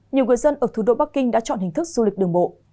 nhiều người dân ở thủ đô bắc kinh đã chọn hình thức du lịch đường bộ